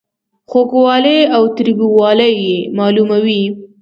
خوږوالی او تریووالی یې معلوموي.